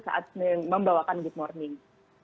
saat membawakan good morning